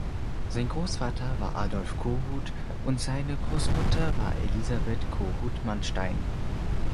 Sein Großvater war Adolph Kohut und seine Großmutter war Elisabeth Kohut-Mannstein.